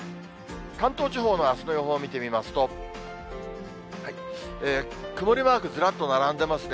関東地方のあすの予報を見てみますと、曇りマーク、ずらっと並んでますね。